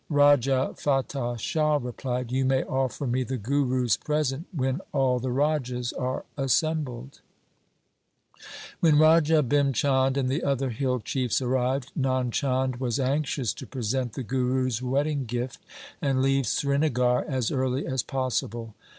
Raja Fatah Shah replied, 'You may offer me the Guru's present when all the rajas are assembled.' LIFE OF GURU GOBIND SINGH 27 When Raja Bhim Chand and the other hill chiefs arrived, Nand Chand was anxious to present the Guru's wedding gift and leave Srinagar as early as possible.